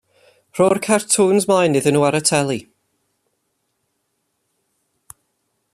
Rho'r cartŵns mlaen iddyn nhw ar y teli.